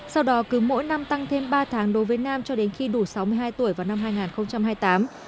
sau đó cứ mỗi năm tăng thêm ba tháng đối với nam cho đến khi đủ sáu mươi hai tuổi vào năm hai nghìn hai mươi tám